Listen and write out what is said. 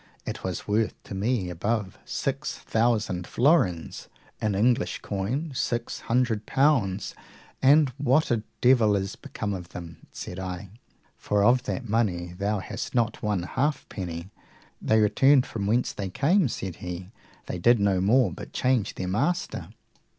It was worth to me above six thousand florins, in English coin six hundred pounds. And what a devil is become of them? said I; for of that money thou hast not one halfpenny. They returned from whence they came, said he; they did no more but change their master.